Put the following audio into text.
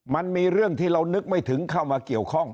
มันมีเรื่องที่เรานึกไม่ถึงเข้ามาเกี่ยวข้อง